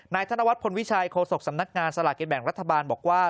ธนวัฒนพลวิชัยโฆษกสำนักงานสลากินแบ่งรัฐบาลบอกว่า